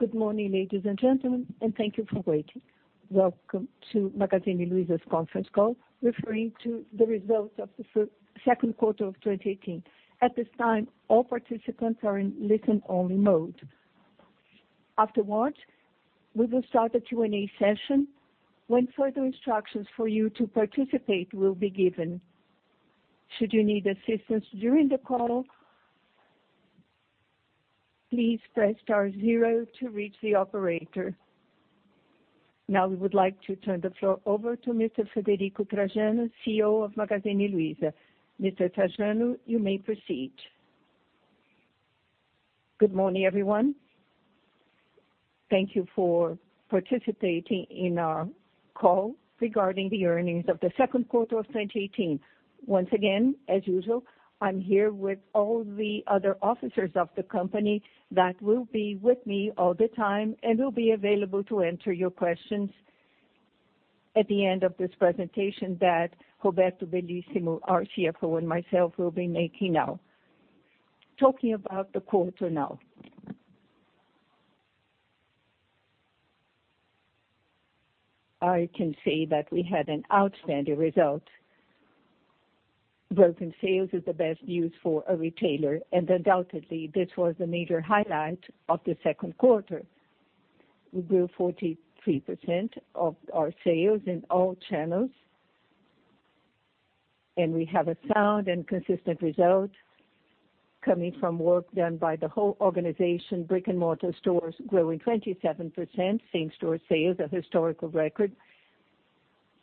Good morning, ladies and gentlemen, thank you for waiting. Welcome to Magazine Luiza's conference call referring to the results of the second quarter of 2018. At this time, all participants are in listen-only mode. Afterwards, we will start the Q&A session when further instructions for you to participate will be given. Should you need assistance during the call, please press star zero to reach the operator. We would like to turn the floor over to Mr. Frederico Trajano, CEO of Magazine Luiza. Mr. Trajano, you may proceed. Good morning, everyone. Thank you for participating in our call regarding the earnings of the second quarter of 2018. Once again, as usual, I'm here with all the other officers of the company that will be with me all the time and will be available to answer your questions at the end of this presentation that Roberto Bellissimo, our CFO, and myself will be making now. Talking about the quarter now. I can say that we had an outstanding result. Growth in sales is the best news for a retailer, undoubtedly, this was the major highlight of the second quarter. We grew 43% of our sales in all channels, we have a sound and consistent result coming from work done by the whole organization. Brick-and-mortar stores growing 27%, same-store sales, a historical record.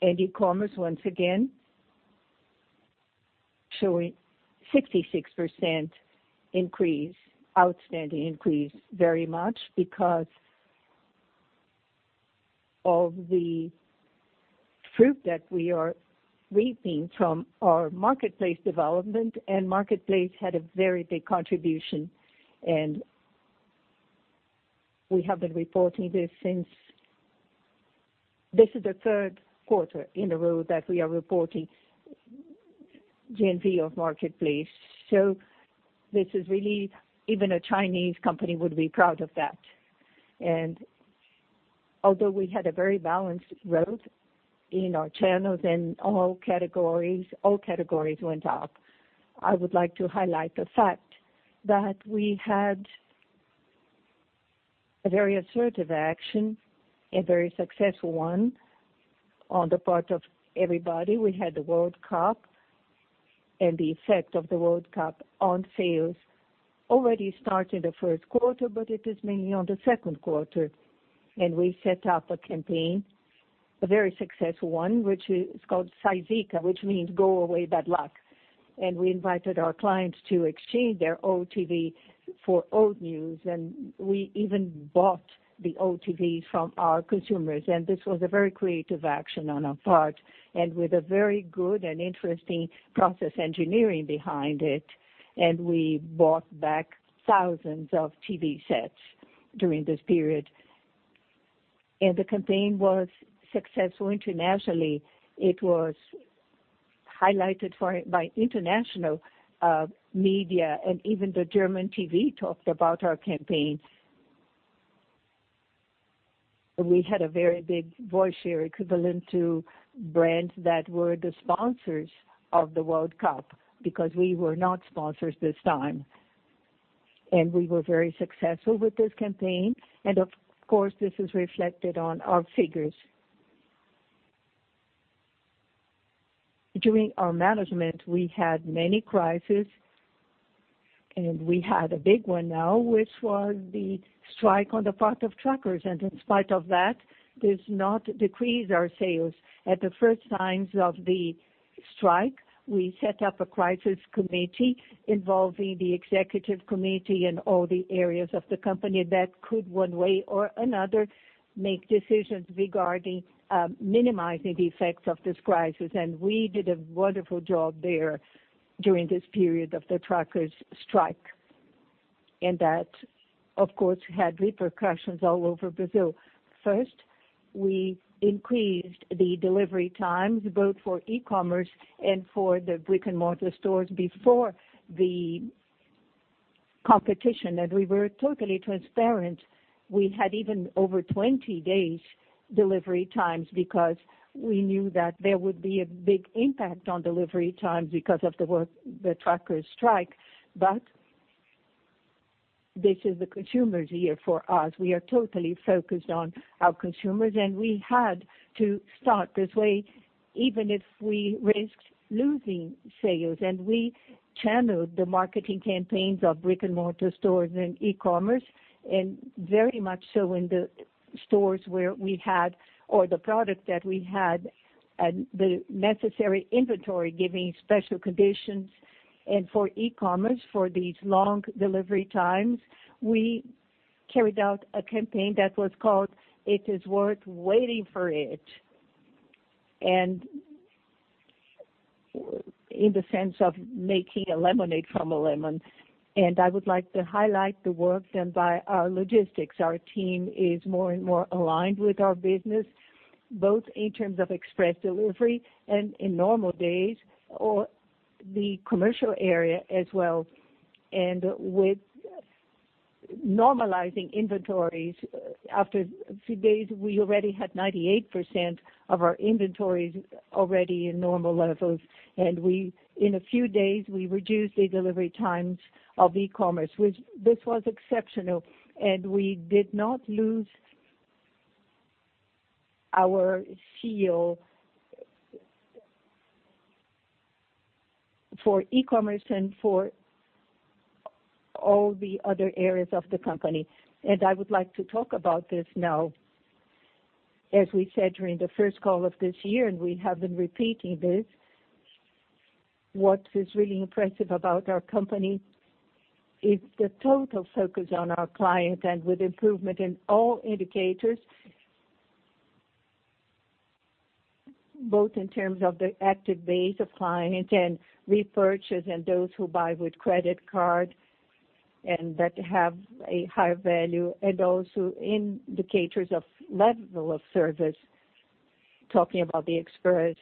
E-commerce, once again, showing 66% increase, outstanding increase, very much because of the fruit that we are reaping from our marketplace development, marketplace had a very big contribution. We have been reporting this. This is the third quarter in a row that we are reporting GMV of marketplace. Even a Chinese company would be proud of that. Although we had a very balanced growth in our channels and all categories, all categories went up. I would like to highlight the fact that we had a very assertive action, a very successful one on the part of everybody. We had the World Cup and the effect of the World Cup on sales already started the first quarter, but it is mainly on the second quarter. We set up a campaign, a very successful one, which is called Sai Zica, which means go away bad luck. We invited our clients to exchange their old TV for old news, we even bought the old TVs from our consumers. This was a very creative action on our part and with a very good and interesting process engineering behind it. We bought back thousands of TV sets during this period. The campaign was successful internationally. It was highlighted by international media, even the German TV talked about our campaign. We had a very big voice here equivalent to brands that were the sponsors of the World Cup because we were not sponsors this time. We were very successful with this campaign. Of course, this is reflected on our figures. During our management, we had many crises, we had a big one now, which was the strike on the part of truckers. In spite of that, this not decrease our sales. At the first signs of the strike, we set up a crisis committee involving the executive committee and all the areas of the company that could one way or another, make decisions regarding minimizing the effects of this crisis. We did a wonderful job there during this period of the truckers' strike. That, of course, had repercussions all over Brazil. First, we increased the delivery times, both for e-commerce and for the brick-and-mortar stores before the competition, and we were totally transparent. We had even over 20 days delivery times because we knew that there would be a big impact on delivery times because of the truckers' strike. This is the consumer's year for us. We are totally focused on our consumers, and we had to start this way, even if we risked losing sales. We channeled the marketing campaigns of brick-and-mortar stores and e-commerce, and very much so in the stores where we had, or the product that we had, and the necessary inventory, giving special conditions. For e-commerce, for these long delivery times, we carried out a campaign that was called it is worth waiting for it. In the sense of making a lemonade from a lemon. I would like to highlight the work done by our logistics. Our team is more and more aligned with our business, both in terms of express delivery and in normal days or The commercial area as well, and with normalizing inventories after a few days, we already had 98% of our inventories already in normal levels. In a few days, we reduced the delivery times of e-commerce. This was exceptional, and we did not lose our seal for e-commerce and for all the other areas of the company. I would like to talk about this now. As we said during the first call of this year, we have been repeating this, what is really impressive about our company is the total focus on our client and with improvement in all indicators, both in terms of the active base of client and repurchase and those who buy with Luiza Card and that have a higher value, and also indicators of level of service, talking about the express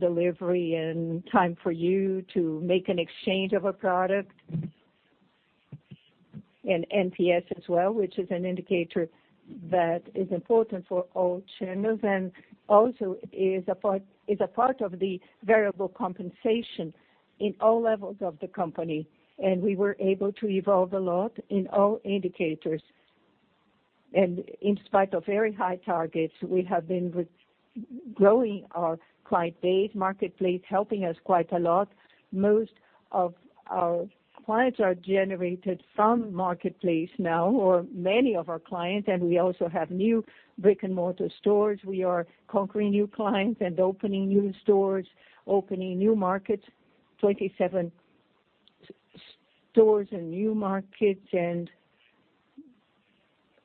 delivery and time for you to make an exchange of a product. NPS as well, which is an indicator that is important for all channels and also is a part of the variable compensation in all levels of the company. We were able to evolve a lot in all indicators. In spite of very high targets, we have been growing our client base, marketplace helping us quite a lot. Most of our clients are generated from marketplace now, or many of our clients, and we also have new brick-and-mortar stores. We are conquering new clients and opening new stores, opening new markets, 27 stores in new markets and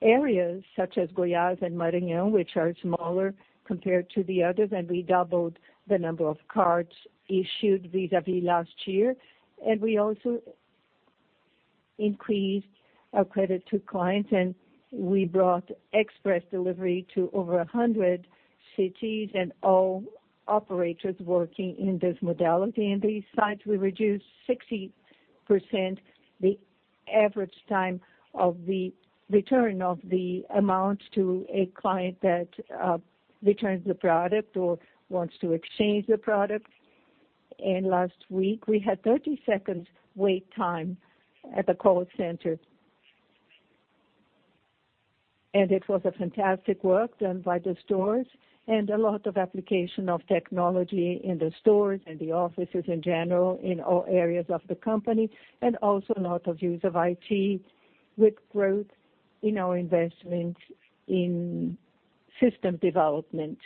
areas such as Goiás and Maranhão, which are smaller compared to the others, and we doubled the number of cards issued vis-à-vis last year. We also increased our credit to clients, we brought express delivery to over 100 cities and all operators working in this modality. Besides, we reduced 60% the average time of the return of the amount to a client that returns the product or wants to exchange the product. Last week, we had 30 seconds wait time at the call center. It was a fantastic work done by the stores and a lot of application of technology in the stores and the offices in general, in all areas of the company, also a lot of use of IT with growth in our investment in system development.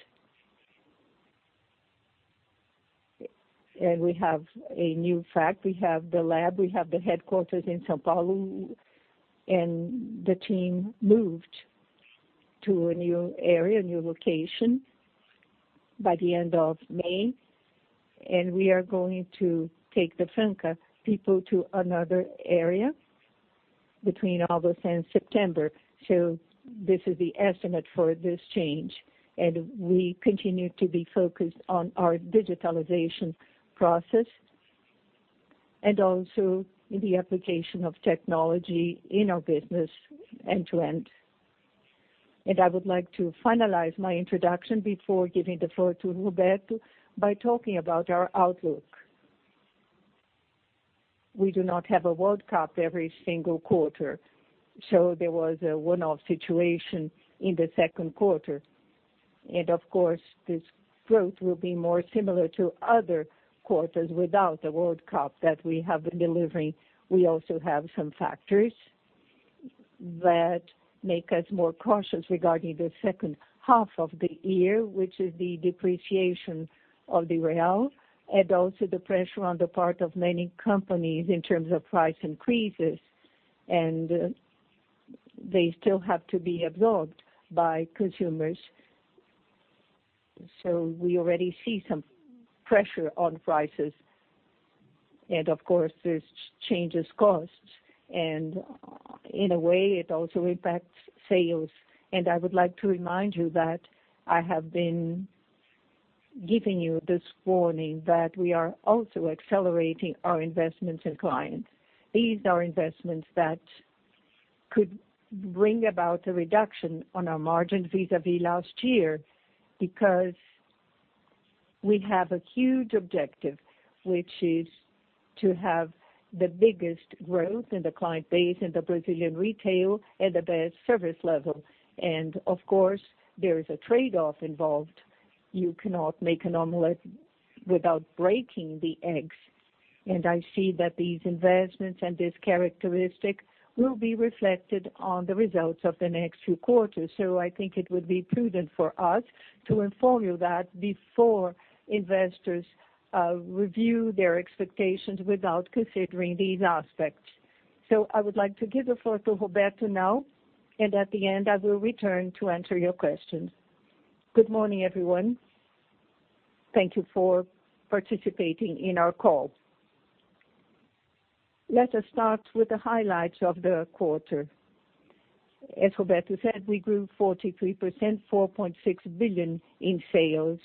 We have a new fact. We have the lab, we have the headquarters in São Paulo, and the team moved to a new area, a new location by the end of May, and we are going to take the Franca people to another area between August and September. This is the estimate for this change. We continue to be focused on our digitalization process and also the application of technology in our business end-to-end. I would like to finalize my introduction before giving the floor to Roberto by talking about our outlook. We do not have a World Cup every single quarter. There was a one-off situation in the second quarter. Of course, this growth will be more similar to other quarters without the World Cup that we have been delivering. We also have some factors that make us more cautious regarding the second half of the year, which is the depreciation of the real, also the pressure on the part of many companies in terms of price increases, and they still have to be absorbed by consumers. We already see some pressure on prices. Of course, this changes costs, and in a way, it also impacts sales. I would like to remind you that I have been giving you this warning that we are also accelerating our investments in clients. These are investments that could bring about a reduction on our margins vis-à-vis last year, because we have a huge objective, which is to have the biggest growth in the client base in the Brazilian retail and the best service level. Of course, there is a trade-off involved. You cannot make an omelet without breaking the eggs. I see that these investments and this characteristic will be reflected on the results of the next few quarters. I think it would be prudent for us to inform you that before investors review their expectations without considering these aspects. I would like to give the floor to Roberto now, and at the end I will return to answer your questions. Good morning, everyone. Thank you for participating in our call. Let us start with the highlights of the quarter. As Roberto said, we grew 43%, 4.6 billion in sales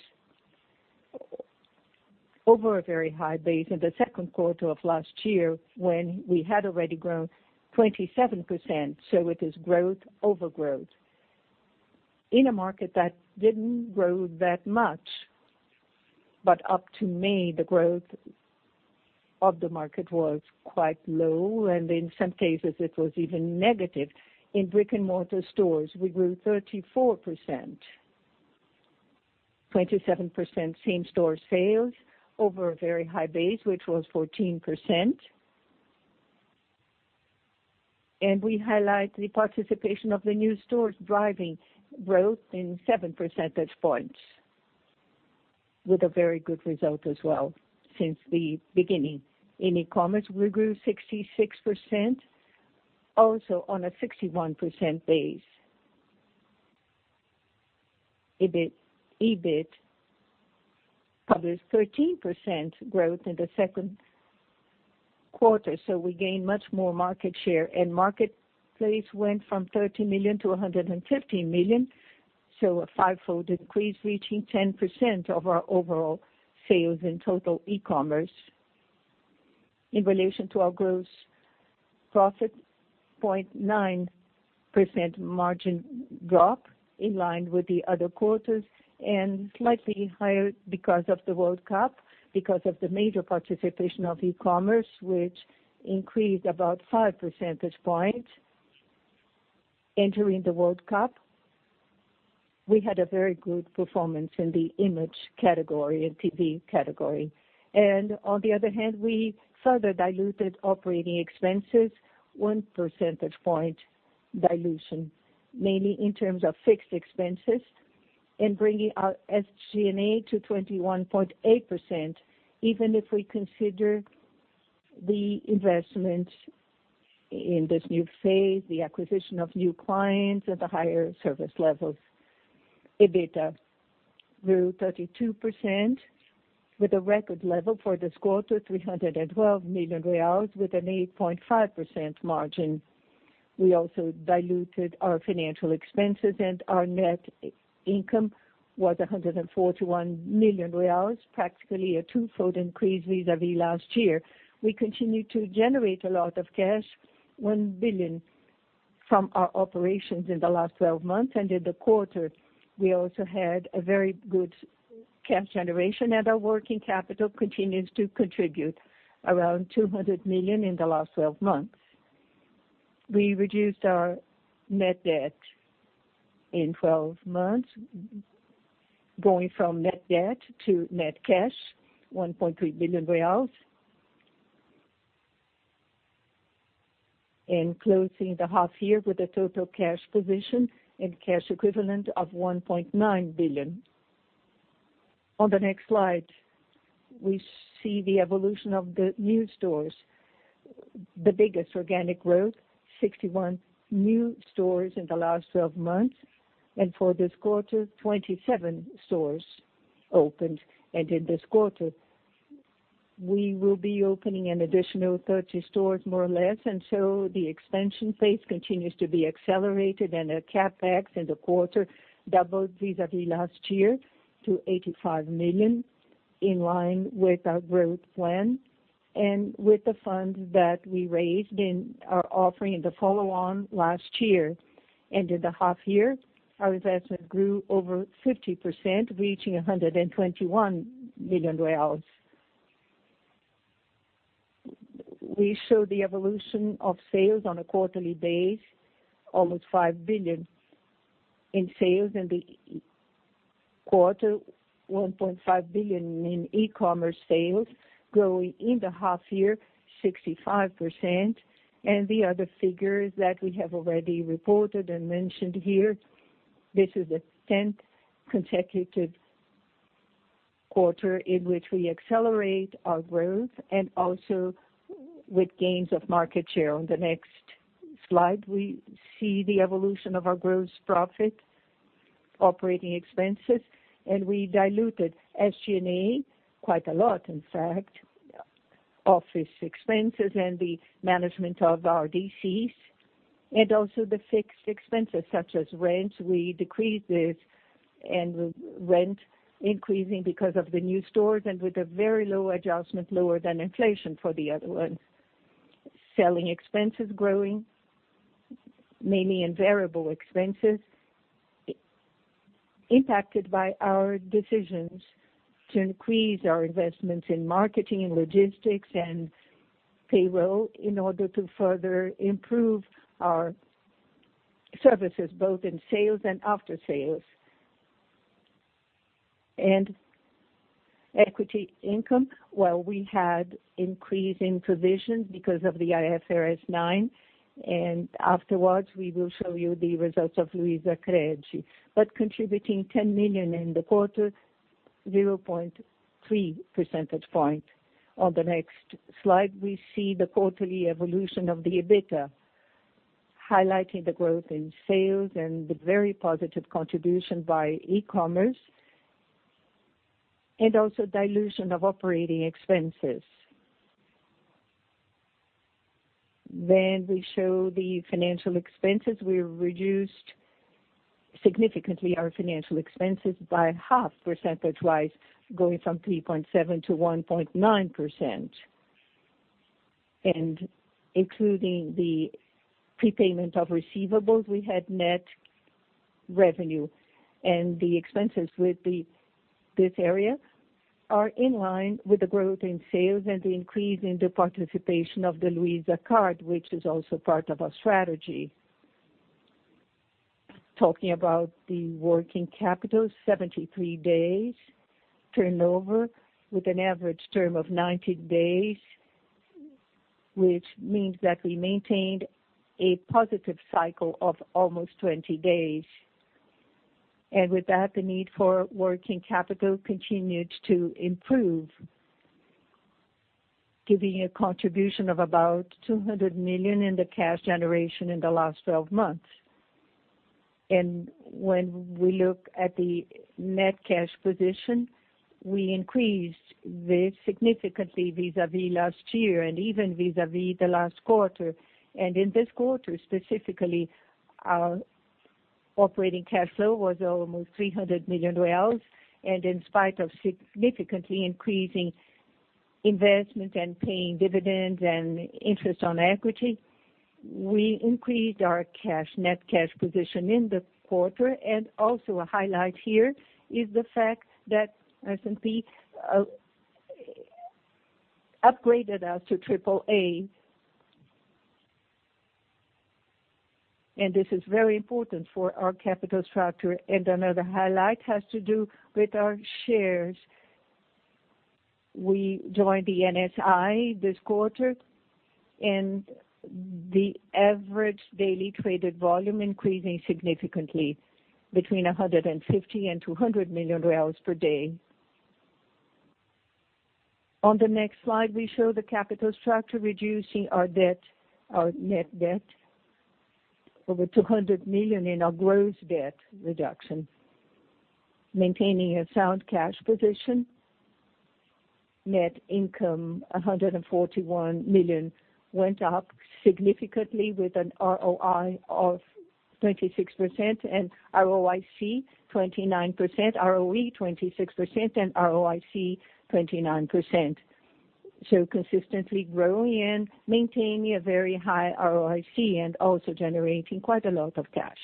over a very high base in the second quarter of last year when we had already grown 27%. It is growth over growth. In a market that didn't grow that much, but up to May, the growth of the market was quite low, and in some cases it was even negative. In brick-and-mortar stores, we grew 34%, 27% same stores sales over a very high base, which was 14%. We highlight the participation of the new stores driving growth in seven percentage points with a very good result as well since the beginning. In e-commerce, we grew 66%, also on a 61% base. EBIT published 13% growth in the second quarter, we gained much more market share. Marketplace went from 30 million to 150 million, a five-fold increase, reaching 10% of our overall sales in total e-commerce. In relation to our gross profit, 0.9% margin drop in line with the other quarters, slightly higher because of the World Cup, because of the major participation of e-commerce, which increased about five percentage points. Entering the World Cup, we had a very good performance in the image category and TV category. On the other hand, we further diluted operating expenses, one percentage point dilution, mainly in terms of fixed expenses and bringing our SG&A to 21.8%, even if we consider the investment in this new phase, the acquisition of new clients, and the higher service levels. EBITDA grew 32% with a record level for this quarter, 312 million reais with an 8.5% margin. We also diluted our financial expenses. Our net income was BRL 141 million, practically a two-fold increase vis-à-vis last year. We continue to generate a lot of cash, 1 billion from our operations in the last 12 months. In the quarter, we also had a very good cash generation, and our working capital continues to contribute around 200 million in the last 12 months. We reduced our net debt in 12 months, going from net debt to net cash, 1.3 billion reais. Closing the half year with a total cash position and cash equivalent of 1.9 billion. On the next slide, we see the evolution of the new stores. The biggest organic growth, 61 new stores in the last 12 months. For this quarter, 27 stores opened. In this quarter, we will be opening an additional 30 stores, more or less. The expansion phase continues to be accelerated, and the CapEx in the quarter doubled vis-à-vis last year to 85 million, in line with our growth plan and with the funds that we raised in our offering the follow-on last year. In the half year, our investment grew over 50%, reaching BRL 121 million. We show the evolution of sales on a quarterly base, almost 5 billion in sales in the quarter, 1.5 billion in e-commerce sales, growing in the half year 65%. The other figures that we have already reported and mentioned here, this is the 10th consecutive quarter in which we accelerate our growth and also with gains of market share. On the next slide, we see the evolution of our gross profit, operating expenses. We diluted SG&A quite a lot, in fact, office expenses and the management of our DCs and also the fixed expenses such as rent, we decreased this. Rent increasing because of the new stores and with a very low adjustment, lower than inflation for the other ones. Selling expenses growing, mainly in variable expenses, impacted by our decisions to increase our investments in marketing and logistics and payroll in order to further improve our services both in sales and after sales. Equity income, while we had increase in provisions because of the IFRS 9. Afterwards we will show you the results of LuizaCred. Contributing 10 million in the quarter, 0.3 percentage point. On the next slide, we see the quarterly evolution of the EBITDA, highlighting the growth in sales and the very positive contribution by e-commerce. Also dilution of operating expenses. We show the financial expenses. We reduced significantly our financial expenses by half percentage-wise, going from 3.7% to 1.9%. Including the prepayment of receivables, we had net revenue. The expenses with this area are in line with the growth in sales and the increase in the participation of the Luiza Card, which is also part of our strategy. Talking about the working capital, 73 days turnover with an average term of 19 days, which means that we maintained a positive cycle of almost 20 days. With that, the need for working capital continued to improve, giving a contribution of about 200 million in the cash generation in the last 12 months. When we look at the net cash position, we increased this significantly vis-a-vis last year and even vis-a-vis the last quarter. In this quarter, specifically, our operating cash flow was almost BRL 300 million. In spite of significantly increasing investment and paying dividends and interest on equity, we increased our net cash position in the quarter. Also a highlight here is the fact that S&P upgraded us to brAAA. This is very important for our capital structure. Another highlight has to do with our shares. We joined the MSCI this quarter, and the average daily traded volume increasing significantly between 150 million and 200 million reais per day. On the next slide, we show the capital structure reducing our net debt over 200 million in our gross debt reduction, maintaining a sound cash position. Net income, 141 million, went up significantly with an ROE of 26% and ROIC 29%, ROE 26%, and ROIC 29%. Consistently growing and maintaining a very high ROIC and also generating quite a lot of cash.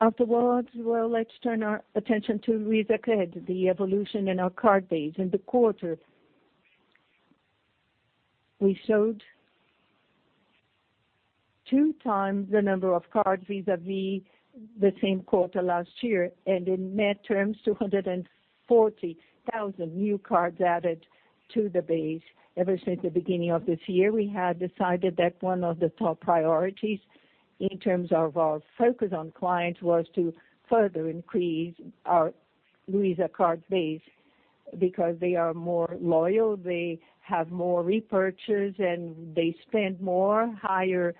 Afterwards, let's turn our attention to LuizaCred, the evolution in our card base. In the quarter, we showed two times the number of cards vis-a-vis the same quarter last year. In net terms, 240,000 new cards added to the base. Ever since the beginning of this year, we had decided that one of the top priorities in terms of our focus on clients was to further increase our Luiza Card base because they are more loyal, they have more repurchase, and they spend more, higher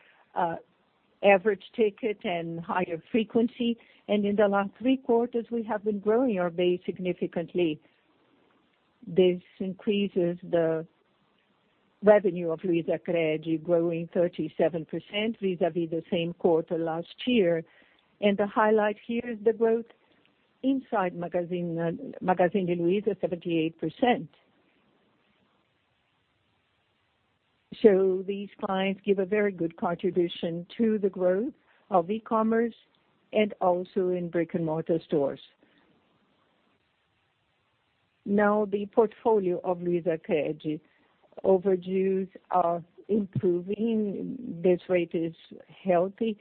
average ticket, and higher frequency. In the last three quarters, we have been growing our base significantly. This increases the revenue of LuizaCred, growing 37% vis-a-vis the same quarter last year. The highlight here is the growth inside Magazine Luiza, 78%. These clients give a very good contribution to the growth of e-commerce and also in brick-and-mortar stores. Now the portfolio of LuizaCred. Overdues are improving. This rate is healthy,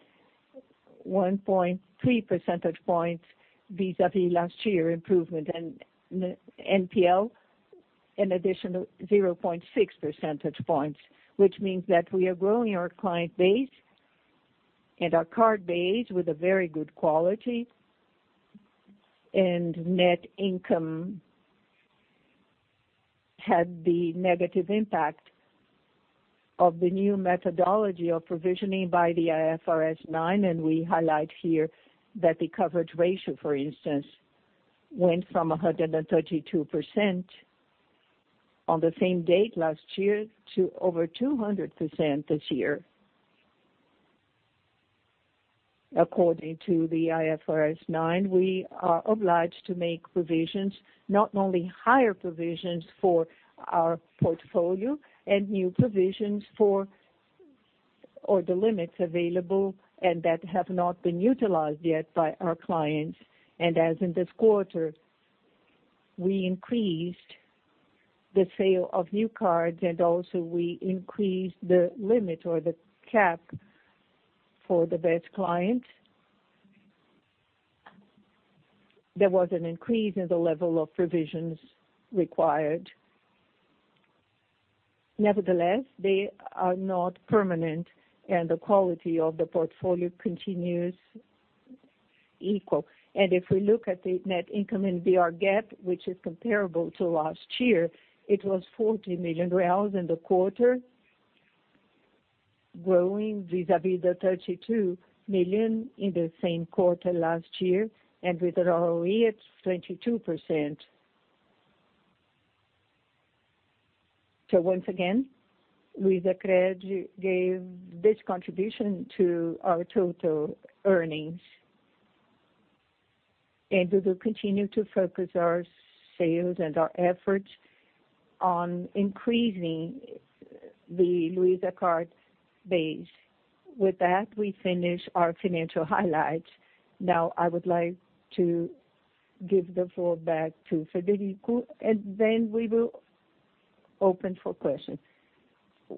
1.3 percentage points vis-a-vis last year improvement. NPL, an additional 0.6 percentage points, which means that we are growing our client base and our card base with a very good quality. Net income had the negative impact of the new methodology of provisioning by the IFRS 9, and we highlight here that the coverage ratio, for instance, went from 132% on the same date last year to over 200% this year. According to the IFRS 9, we are obliged to make provisions, not only higher provisions for our portfolio and new provisions for the limits available and that have not been utilized yet by our clients. As in this quarter, we increased the sale of new cards, and also we increased the limit or the cap for the best clients. There was an increase in the level of provisions required. Nevertheless, they are not permanent, and the quality of the portfolio continues equal. If we look at the net income in BR GAAP, which is comparable to last year, it was 40 million reais in the quarter. Growing vis-a-vis the 32 million in the same quarter last year and with a ROE at 22%. Once again, LuizaCred gave this contribution to our total earnings, and we will continue to focus our sales and our efforts on increasing the Luiza Card base. With that, we finish our financial highlights. Now I would like to give the floor back to Frederico, and then we will open for questions.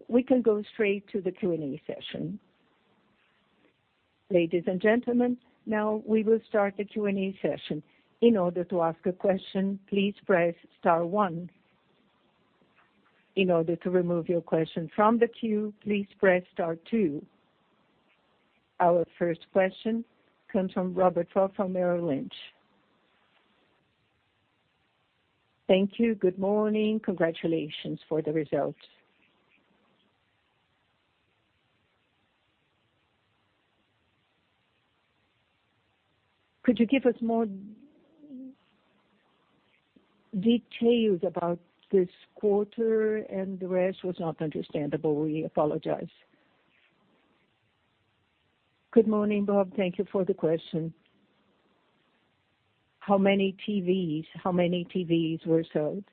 We can go straight to the Q&A session. Ladies and gentlemen, now we will start the Q&A session. In order to ask a question, please press star one. In order to remove your question from the queue, please press star two. Our first question comes from Robert Ford from Merrill Lynch. Thank you. Good morning. Congratulations for the results. Could you give us more details about this quarter? Good morning, Bob. Thank you for the question. How many TVs were sold?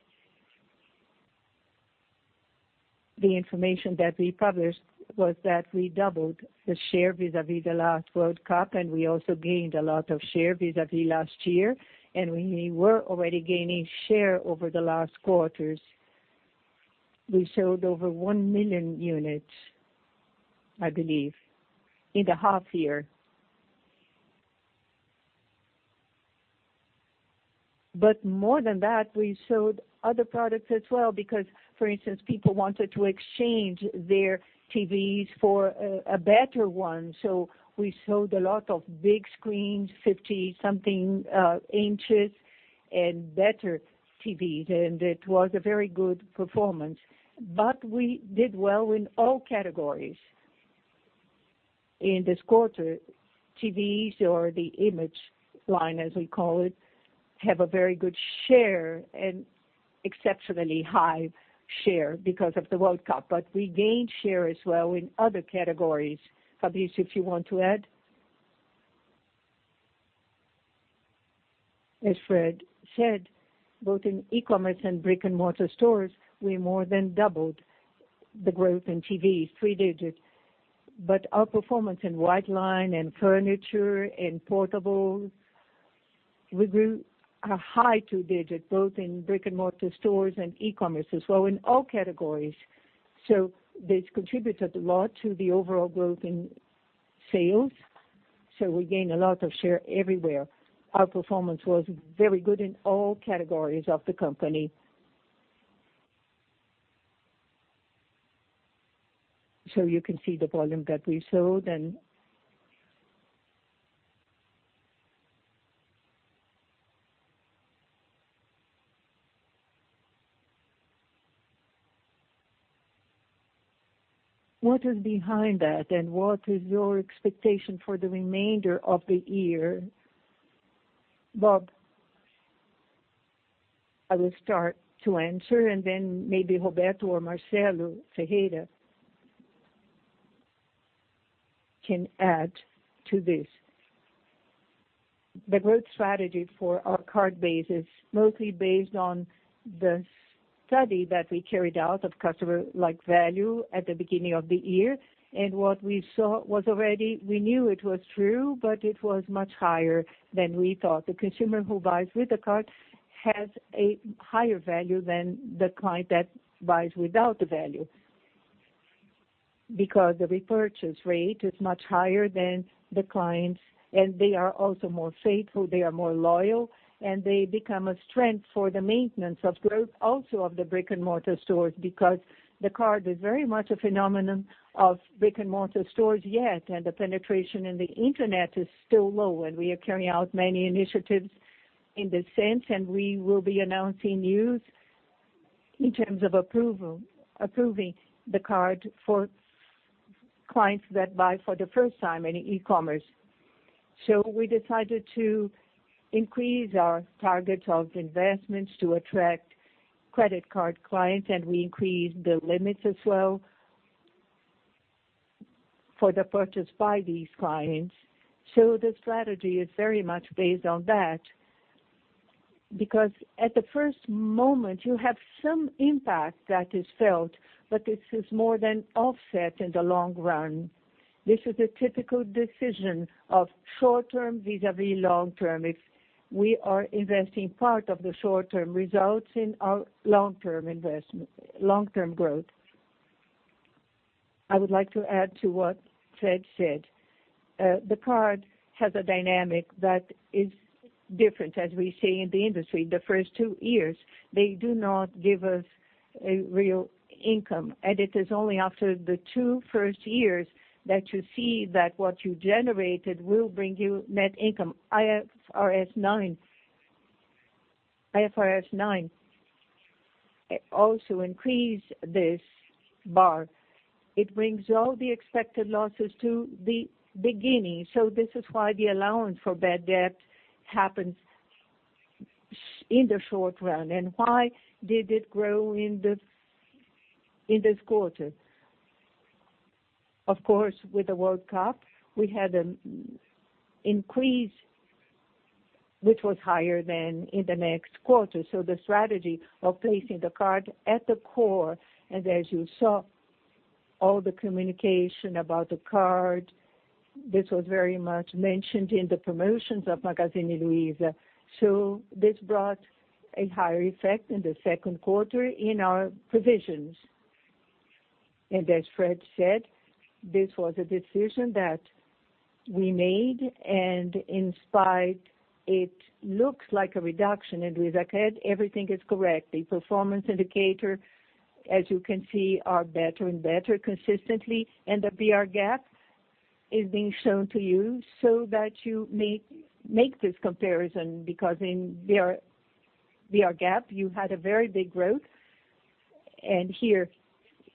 The information that we published was that we doubled the share vis-a-vis the last World Cup, we also gained a lot of share vis-a-vis last year, and we were already gaining share over the last quarters. We sold over 1 million units, I believe, in the half year. More than that, we sold other products as well because, for instance, people wanted to exchange their TVs for a better one. We sold a lot of big screens, 50-something inches, and better TVs, and it was a very good performance. We did well in all categories. In this quarter, TVs or the image line, as we call it, have a very good share and exceptionally high share because of the World Cup. We gained share as well in other categories. Fabrício, if you want to add? As Fred said, both in e-commerce and brick-and-mortar stores, we more than doubled the growth in TVs, three digits. Our performance in white line and furniture and portable, we grew a high two digits both in brick-and-mortar stores and e-commerce as well, in all categories. This contributed a lot to the overall growth in sales. We gained a lot of share everywhere. Our performance was very good in all categories of the company. You can see the volume that we sold. What is behind that, and what is your expectation for the remainder of the year? Bob. I will start to answer, and then maybe Roberto or Marcelo Silva can add to this. The growth strategy for our card base is mostly based on the study that we carried out of customer life value at the beginning of the year. What we saw, we knew it was true, but it was much higher than we thought. The consumer who buys with the card has a higher value than the client that buys without the value, because the repurchase rate is much higher than the clients, and they are also more faithful, they are more loyal, and they become a strength for the maintenance of growth also of the brick-and-mortar stores, because the card is very much a phenomenon of brick-and-mortar stores yet, and the penetration in the internet is still low. We are carrying out many initiatives in this sense, and we will be announcing news in terms of approving the card for clients that buy for the first time in e-commerce. We decided to increase our targets of investments to attract credit card clients, and we increased the limits as well for the purchase by these clients. The strategy is very much based on that, because at the first moment, you have some impact that is felt, but this is more than offset in the long run. This is a typical decision of short term vis-a-vis long term. If we are investing part of the short term results in our long-term growth. I would like to add to what Fred said. The card has a dynamic that is different as we see in the industry. The first 2 years, they do not give us a real income. It is only after the 2 first years that you see that what you generated will bring you net income. IFRS 9 also increase this bar. It brings all the expected losses to the beginning. This is why the allowance for bad debt happens in the short run. Why did it grow in this quarter? Of course, with the World Cup, we had an increase, which was higher than in the next quarter. The strategy of placing the card at the core, and as you saw, all the communication about the card, this was very much mentioned in the promotions of Magazine Luiza. This brought a higher effect in the second quarter in our provisions. As Fred said, this was a decision that we made, and in spite, it looks like a reduction in LuizaCard, everything is correct. The performance indicator, as you can see, are better and better consistently, and the BR GAAP is being shown to you so that you make this comparison, because in BR GAAP, you had a very big growth, and here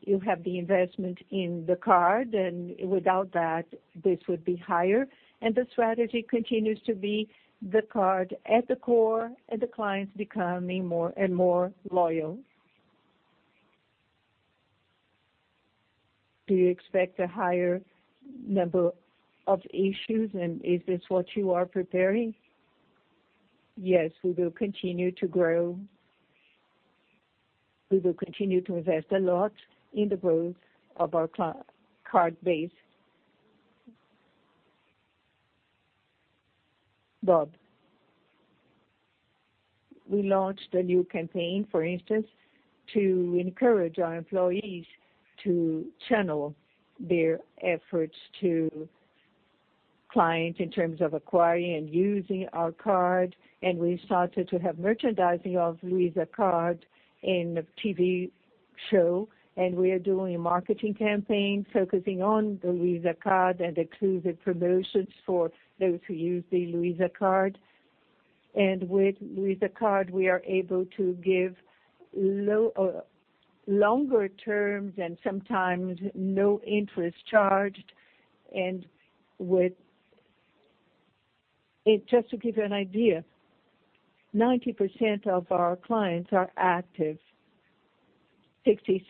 you have the investment in the card, and without that, this would be higher. The strategy continues to be the card at the core and the clients becoming more and more loyal. Do you expect a higher number of issues, and is this what you are preparing? Yes, we will continue to grow. We will continue to invest a lot in the growth of our card base. Bob. We launched a new campaign, for instance, to encourage our employees to channel their efforts to clients in terms of acquiring and using our card. We started to have merchandising of Luiza Card in a TV show. We are doing a marketing campaign focusing on the Luiza Card and exclusive promotions for those who use the Luiza Card. With Luiza Card, we are able to give longer terms and sometimes no interest charged. Just to give you an idea, 90% of our clients are active. 66%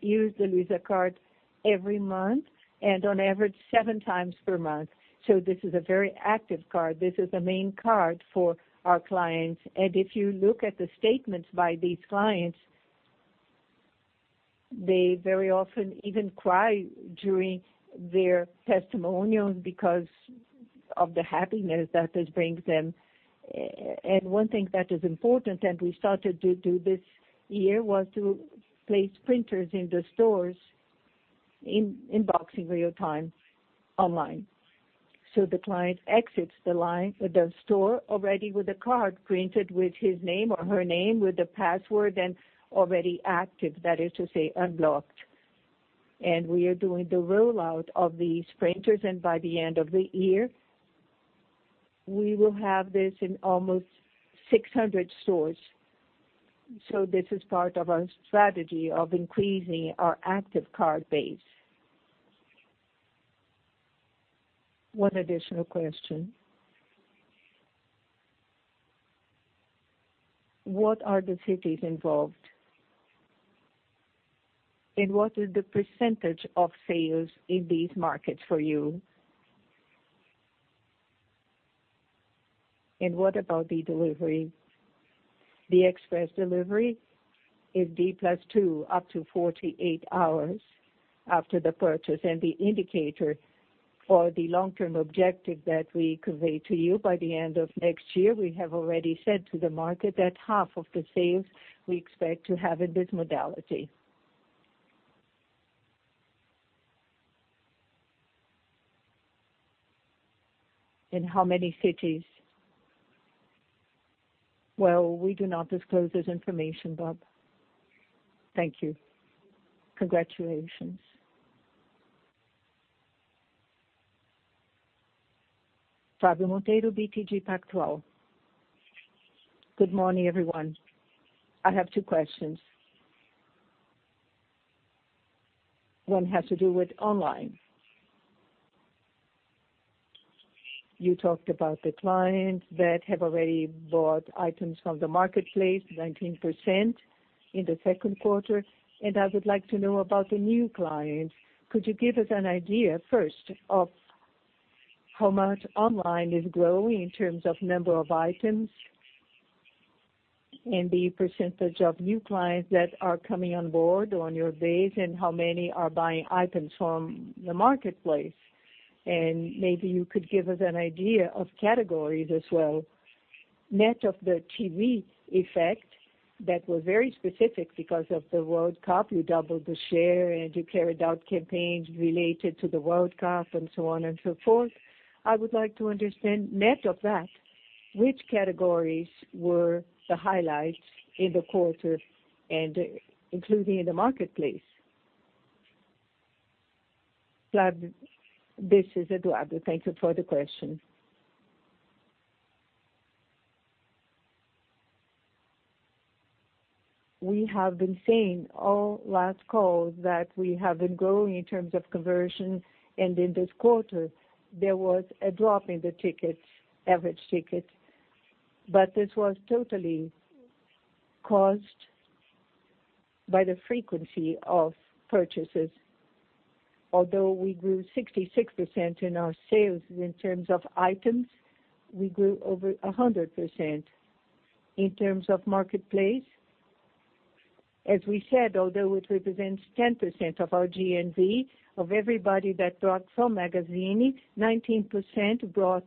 use the Luiza Card every month, and on average, seven times per month. This is a very active card. This is the main card for our clients. If you look at the statements by these clients, they very often even cry during their testimonials because of the happiness that this brings them. One thing that is important, and we started to do this year, was to place printers in the stores in-store real-time online. The client exits the store already with a card printed with his name or her name, with the password, and already active, that is to say, unlocked. We are doing the rollout of these printers, and by the end of the year, we will have this in almost 600 stores. This is part of our strategy of increasing our active card base. One additional question. What are the cities involved? What is the percentage of sales in these markets for you? What about the delivery? The express delivery is D+2, up to 48 hours after the purchase. The indicator for the long-term objective that we convey to you by the end of next year, we have already said to the market that half of the sales we expect to have in this modality. In how many cities? Well, we do not disclose this information, Bob. Thank you. Congratulations. Fabio Monteiro, BTG Pactual. Good morning, everyone. I have two questions. One has to do with online. You talked about the clients that have already bought items from the marketplace, 19% in the second quarter. I would like to know about the new clients. Could you give us an idea, first, of how much online is growing in terms of number of items, the percentage of new clients that are coming on board on your base, and how many are buying items from the marketplace? Maybe you could give us an idea of categories as well. Net of the TV effect that was very specific because of the World Cup, you doubled the share. You carried out campaigns related to the World Cup and so on and so forth. I would like to understand net of that, which categories were the highlights in the quarter, including in the marketplace? Eduardo, This is Eduardo. Thank you for the question. We have been saying all last calls that we have been growing in terms of conversion. In this quarter, there was a drop in the average ticket. This was totally caused by the frequency of purchases. Although we grew 66% in our sales in terms of items, we grew over 100%. In terms of marketplace, as we said, although it represents 10% of our GMV, of everybody that bought from Magazine, 19% bought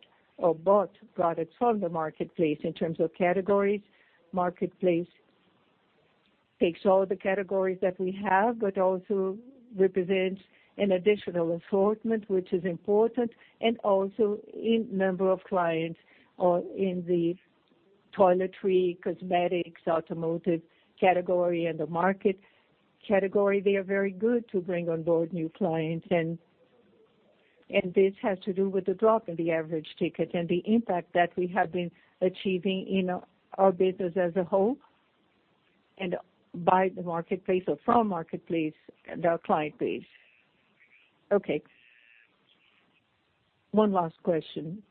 products from the marketplace. In terms of categories, marketplace takes all the categories that we have, but also represents an additional assortment, which is important, and also in number of clients in the toiletry, cosmetics, automotive category, and the market category. They are very good to bring on board new clients, and this has to do with the drop in the average ticket and the impact that we have been achieving in our business as a whole, and by the marketplace or from marketplace and our client base. Okay. One last question.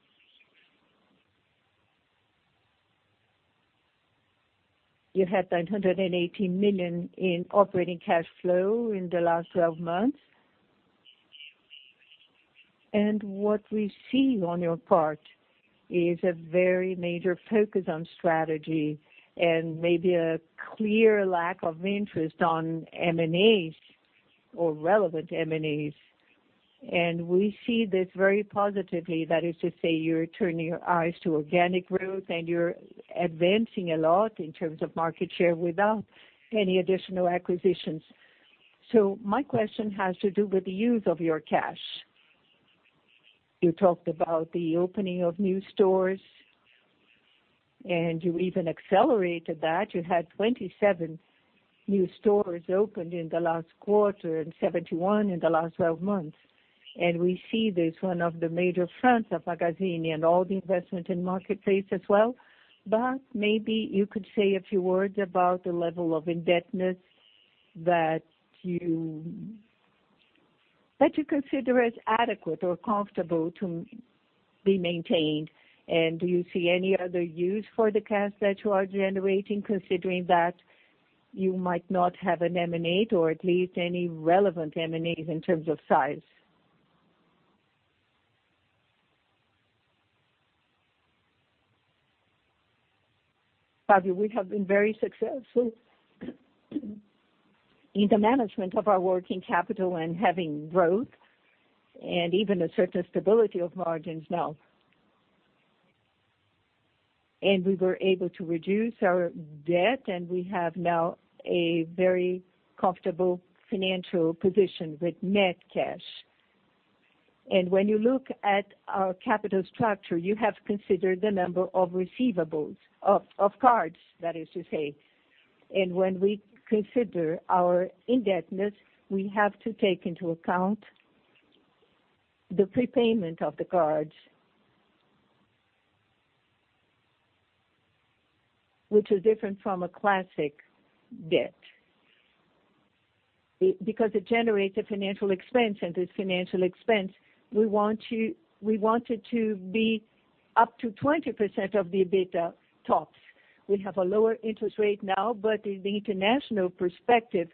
You had 918 million in operating cash flow in the last 12 months. What we see on your part is a very major focus on strategy and maybe a clear lack of interest on M&As or relevant M&As. We see this very positively. That is to say, you're turning your eyes to organic growth, and you're advancing a lot in terms of market share without any additional acquisitions. My question has to do with the use of your cash. You talked about the opening of new stores, and you even accelerated that. You had 27 new stores opened in the last quarter and 61 new stores in the last 12 months. We see this, one of the major fronts of Magazine, and all the investment in marketplace as well. Maybe you could say a few words about the level of indebtedness that you consider is adequate or comfortable to be maintained. Do you see any other use for the cash that you are generating, considering that you might not have an M&A or at least any relevant M&As in terms of size? Fabio, we have been very successful in the management of our working capital and having growth and even a certain stability of margins now. We were able to reduce our debt, and we have now a very comfortable financial position with net cash. When you look at our capital structure, you have considered the number of cards, that is to say. When we consider our indebtedness, we have to take into account the prepayment of the cards, which is different from a classic debt. Because it generates a financial expense, and this financial expense, we want it to be up to 20% of the EBITDA, tops. We have a lower interest rate now, the international perspective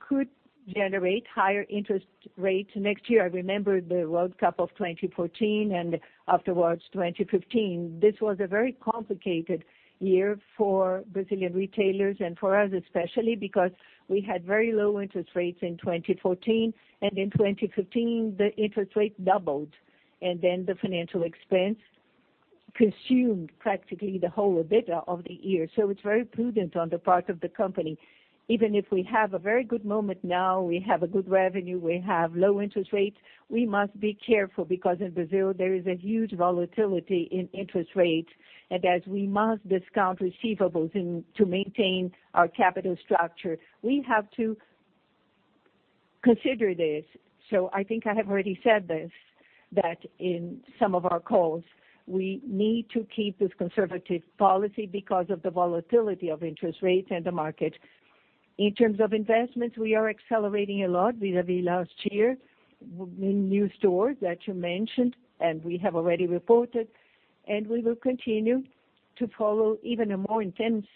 could generate higher interest rates next year. I remember the World Cup of 2014 and afterwards 2015. This was a very complicated year for Brazilian retailers and for us especially because we had very low interest rates in 2014, and in 2015, the interest rate doubled, the financial expense consumed practically the whole EBITDA of the year. It's very prudent on the part of the company. Even if we have a very good moment now, we have a good revenue, we have low interest rates, we must be careful because in Brazil, there is a huge volatility in interest rates. As we must discount receivables to maintain our capital structure, we have to consider this. I think I have already said this, that in some of our calls, we need to keep this conservative policy because of the volatility of interest rates and the market. In terms of investments, we are accelerating a lot vis-a-vis last year, new stores that you mentioned, and we have already reported, and we will continue to follow even a more intense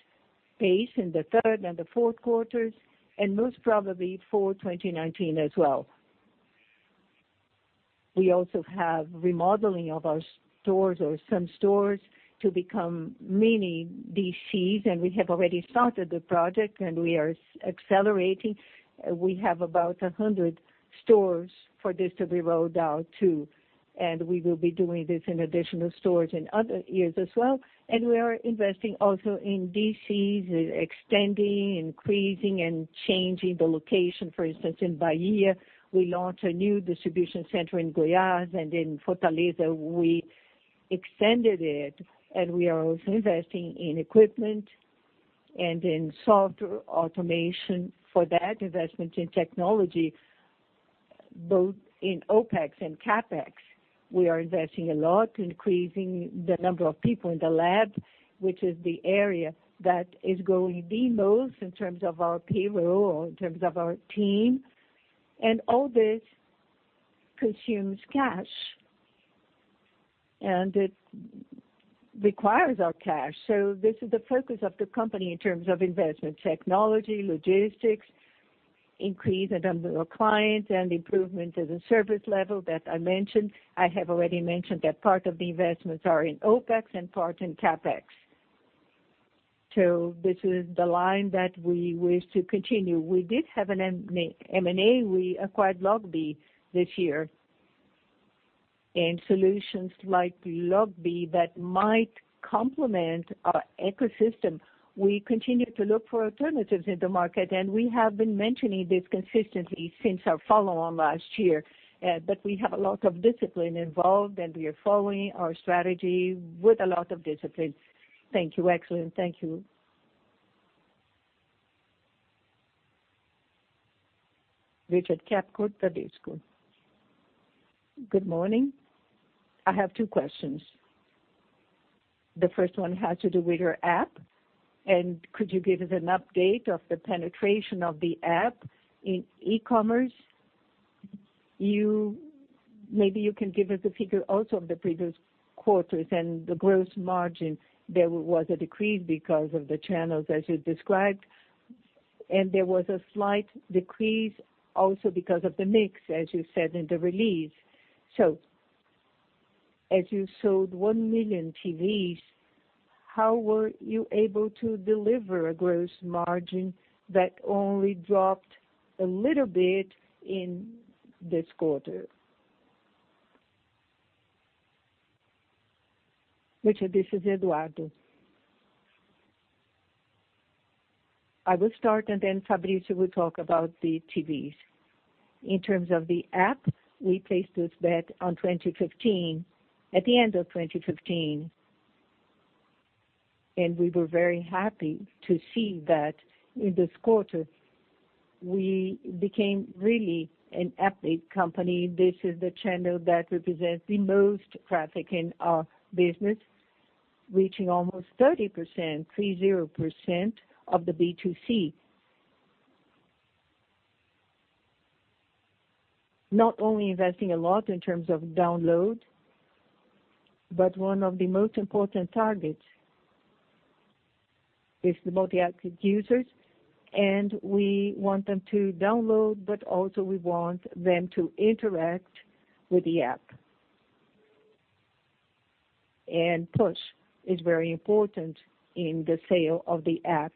pace in the third and the fourth quarters, and most probably for 2019 as well. We also have remodeling of our stores or some stores to become mini DCs, and we have already started the project, and we are accelerating. We have about 100 stores for this to be rolled out to, and we will be doing this in additional stores in other years as well. We are investing also in DCs, extending, increasing, and changing the location. For instance, in Bahia, we launched a new distribution center in Goiás, and in Fortaleza, we extended it. We are also investing in equipment And in software automation for that investment in technology, both in OpEx and CapEx, we are investing a lot increasing the number of people in the lab, which is the area that is growing the most in terms of our payroll, in terms of our team. All this consumes cash, and it requires our cash. This is the focus of the company in terms of investment technology, logistics, increase the number of clients, and improvement in the service level that I mentioned. I have already mentioned that part of the investments are in OpEx and part in CapEx. This is the line that we wish to continue. We did have an M&A. We acquired Loggi this year. In solutions like Loggi that might complement our ecosystem, we continue to look for alternatives in the market, and we have been mentioning this consistently since our follow-on last year. We have a lot of discipline involved, and we are following our strategy with a lot of discipline. Thank you, Excellent. Thank you. Ricardo Garrido, Bradesco. Good morning. I have two questions. The first one has to do with your app. Could you give us an update of the penetration of the app in e-commerce? Maybe you can give us a figure also of the previous quarters and the gross margin. There was a decrease because of the channels as you described, and there was a slight decrease also because of the mix, as you said in the release. As you sold 1 million TVs, how were you able to deliver a gross margin that only dropped a little bit in this quarter? Eduardo, This is Eduardo. I will start, and then Fabrício will talk about the TVs. In terms of the app, we placed this bet on 2015, at the end of 2015. We were very happy to see that in this quarter we became really an app-based company. This is the channel that represents the most traffic in our business, reaching almost 30%, three zero percent, of the B2C. Not only investing a lot in terms of download, but one of the most important targets is the multi-active users, and we want them to download, but also we want them to interact with the app. Push is very important in the sale of the app.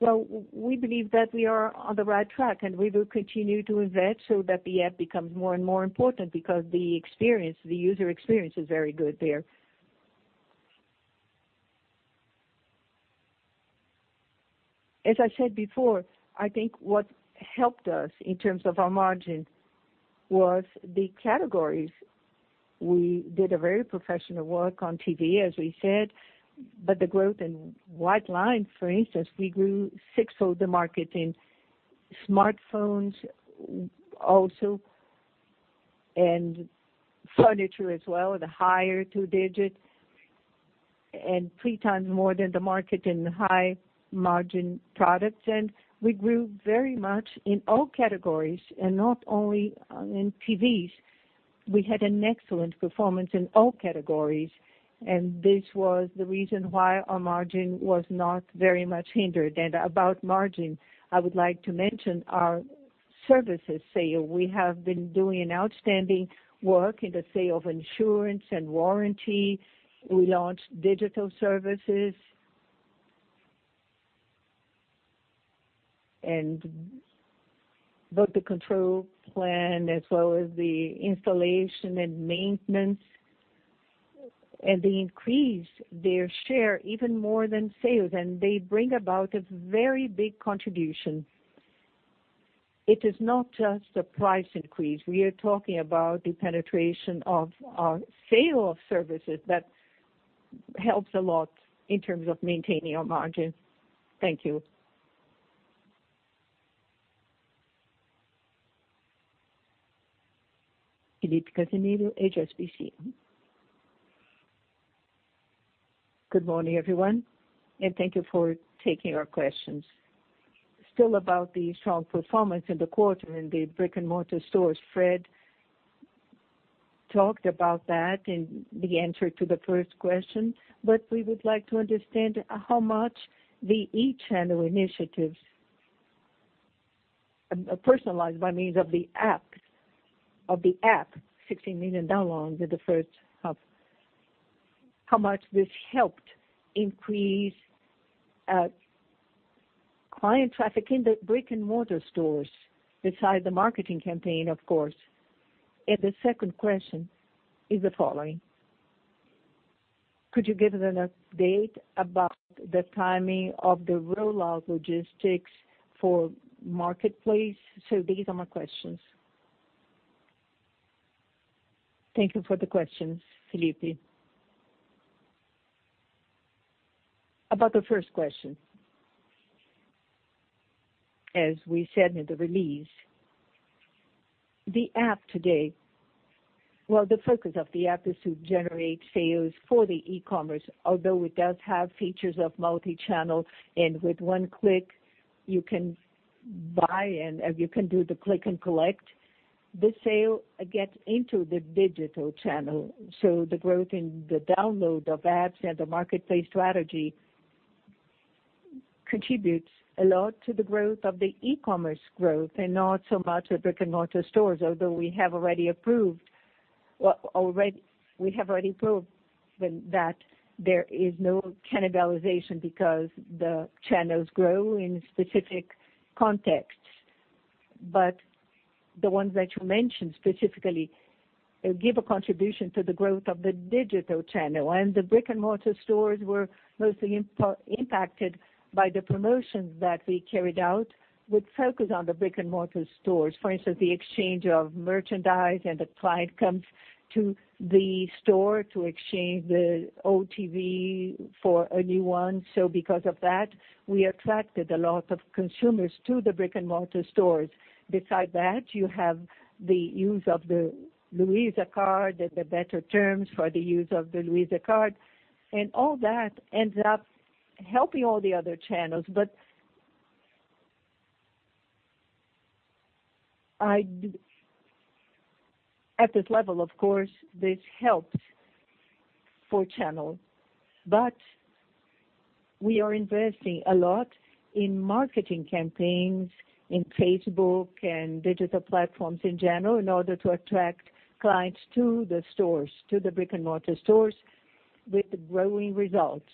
We believe that we are on the right track, and we will continue to invest so that the app becomes more and more important because the user experience is very good there. As I said before, I think what helped us in terms of our margin was the categories. We did a very professional work on TV, as we said, but the growth in white line, for instance, we grew sixfold the market in smartphones also and furniture as well, the higher two-digit and three times more than the market in high margin products. We grew very much in all categories and not only in TVs. We had an excellent performance in all categories, and this was the reason why our margin was not very much hindered. About margin, I would like to mention our services sale. We have been doing an outstanding work in the sale of insurance and warranty. We launched digital services. Both the control plan as well as the installation and maintenance. They increase their share even more than sales, and they bring about a very big contribution. It is not just a price increase. We are talking about the penetration of our sale of services that helps a lot in terms of maintaining our margin. Thank you. Felipe Casemiro, HSBC. Good morning, everyone, and thank you for taking our questions. Still about the strong performance in the quarter in the brick-and-mortar stores. Fred talked about that in the answer to the first question, but we would like to understand how much the e-channel initiatives, personalized by means of the app, 16 million downloads in the first half. How much this helped increase client traffic in the brick-and-mortar stores besides the marketing campaign, of course. The second question is the following. Could you give us an update about the timing of the rollout logistics for marketplace? These are my questions. Thank you for the question, Felipe. About the first question, as we said in the release, the focus of the app is to generate sales for the e-commerce, although it does have features of multi-channel, and with one click you can buy and you can do the click and collect. The sale gets into the digital channel. The growth in the download of apps and the marketplace strategy contributes a lot to the growth of the e-commerce growth and not so much the brick-and-mortar stores, although we have already proved that there is no cannibalization because the channels grow in specific contexts. The ones that you mentioned specifically give a contribution to the growth of the digital channel. The brick-and-mortar stores were mostly impacted by the promotions that we carried out, which focus on the brick-and-mortar stores. For instance, the exchange of merchandise and the client comes to the store to exchange the old TV for a new one. Because of that, we attracted a lot of consumers to the brick-and-mortar stores. Beside that, you have the use of the Luiza Card and the better terms for the use of the Luiza Card. All that ends up helping all the other channels. At this level, of course, this helps for channel. We are investing a lot in marketing campaigns, in Facebook and digital platforms in general in order to attract clients to the brick-and-mortar stores with growing results.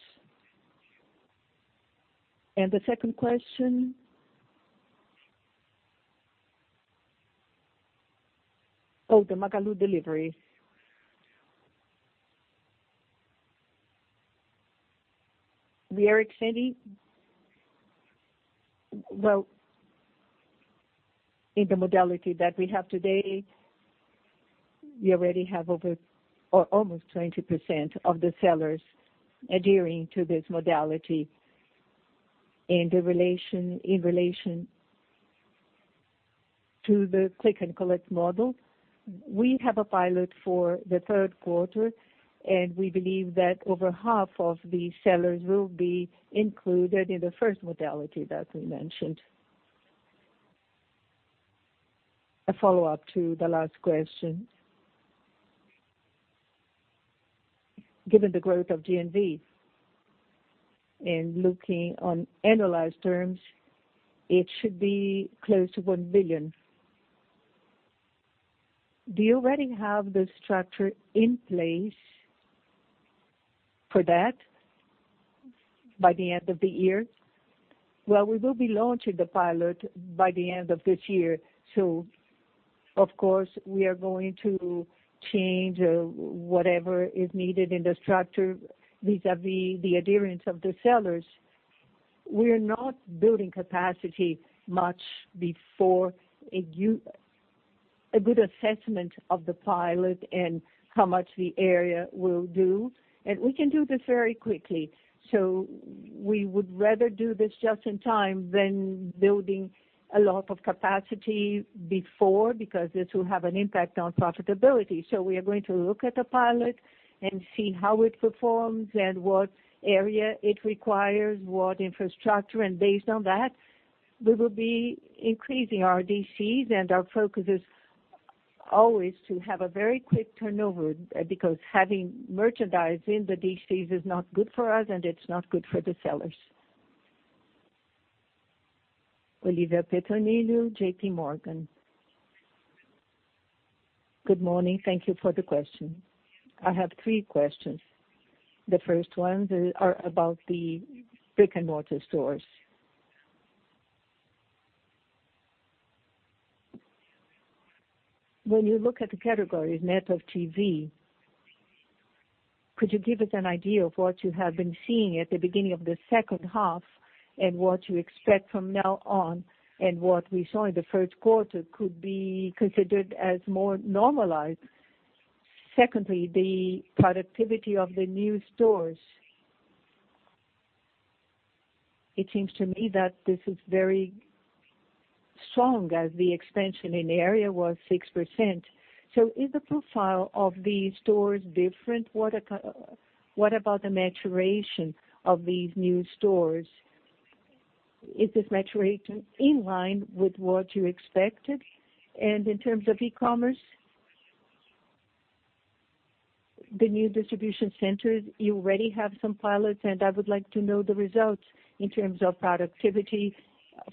The second question. The Magalu Entregas. The Magalu Entregas, well, in the modality that we have today, we already have almost 20% of the sellers adhering to this modality. In relation to the click and collect model, we have a pilot for the third quarter, and we believe that over half of the sellers will be included in the first modality that we mentioned. A follow-up to the last question. Given the growth of GMV and looking on annualized terms, it should be close to 1 billion. Do you already have the structure in place for that by the end of the year? Well, we will be launching the pilot by the end of this year. Of course, we are going to change whatever is needed in the structure vis-à-vis the adherence of the sellers. We're not building capacity much before a good assessment of the pilot and how much the area will do. We can do this very quickly. We would rather do this just in time than building a lot of capacity before, because this will have an impact on profitability. We are going to look at the pilot and see how it performs and what area it requires, what infrastructure, and based on that, we will be increasing our DCs and our focus is always to have a very quick turnover, because having merchandise in the DCs is not good for us and it's not good for the sellers. Olivia Petronilho, JPMorgan. Good morning. Thank you for the question. I have three questions. The first ones are about the brick-and-mortar stores. When you look at the categories net of TV, could you give us an idea of what you have been seeing at the beginning of the second half and what you expect from now on, and what we saw in the first quarter could be considered as more normalized? Secondly, the productivity of the new stores. It seems to me that this is very strong as the expansion in area was 6%. Is the profile of these stores different? What about the maturation of these new stores? Is this maturation in line with what you expected? In terms of e-commerce, the new distribution centers, you already have some pilots, and I would like to know the results in terms of productivity